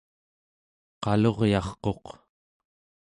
qaluryarquq